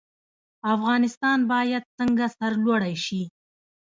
افغانستان باید څنګه سرلوړی شي؟